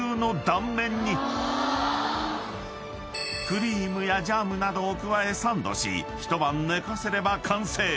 ［クリームやジャムなどを加えサンドし一晩寝かせれば完成］